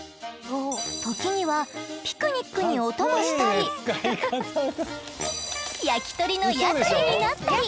時にはピクニックにお供したり焼き鳥の屋台になったり。